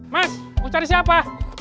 mas mau cari siapa